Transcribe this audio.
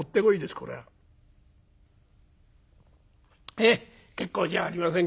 へえ結構じゃありませんか」。